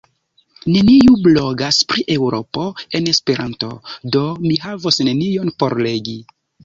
Neniu blogas pri Eŭropo en Esperanto, do mi havos nenion por legi.